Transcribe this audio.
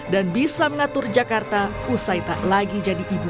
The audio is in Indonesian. dan bisa mengatur jakarta usai tak lagi jadi ibu kepala